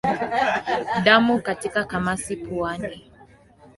Damu katika kamasi puani